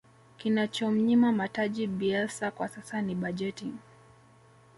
kinachomnyima mataji bielsa kwa sasa ni bajeti